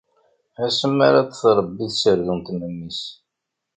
Asmi ara tṛebbi tserdunt memmi-s!